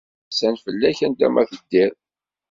Ad ttɛassan fell-ak anda ma teddiḍ.